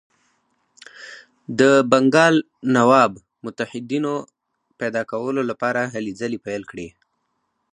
د بنګال نواب متحدینو پیدا کولو لپاره هلې ځلې پیل کړې.